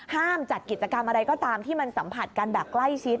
จัดกิจกรรมอะไรก็ตามที่มันสัมผัสกันแบบใกล้ชิด